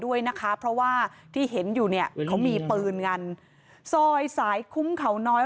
ด้วยนะคะเพราะว่าที่เห็นอยู่เนี่ยเขามีปืนกันซอยสายคุ้มเขาน้อย